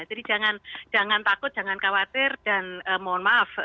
jangan takut jangan khawatir dan mohon maaf